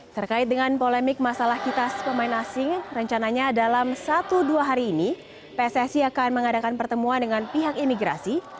terkait dengan polemik masalah kitas pemain asing rencananya dalam satu dua hari ini pssi akan mengadakan pertemuan dengan pihak imigrasi